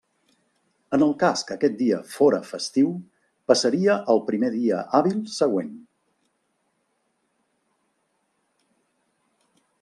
En el cas que aquest dia fóra festiu passaria al primer dia hàbil següent.